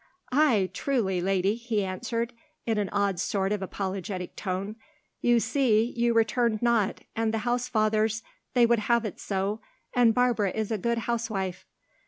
"Ay, truly, lady," he answered, in an odd sort of apologetic tone; "you see, you returned not, and the housefathers, they would have it so—and Barbara is a good housewife."